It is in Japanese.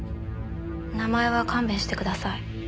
名前は勘弁してください。